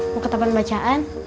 mau ke tempat bacaan